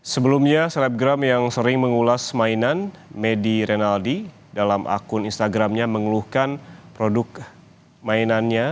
sebelumnya selebgram yang sering mengulas mainan medi renaldi dalam akun instagramnya mengeluhkan produk mainannya